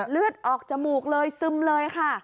เลือดออกจมูกเลยซึมเลยค่ะ